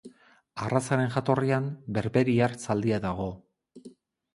Arrazaren jatorrian berberiar zaldia dago.